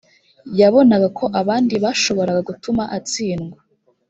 yabonaga ko abandi bashoboraga gutuma atsindwa